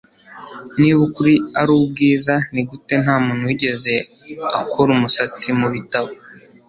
Niba ukuri ari ubwiza, nigute ntamuntu wigeze akora umusatsi mubitabo?